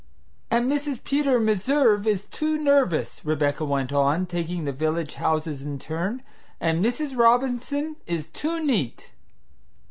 "And Mrs. Peter Meserve is too nervous," Rebecca went on, taking the village houses in turn; "and Mrs. Robinson is too neat."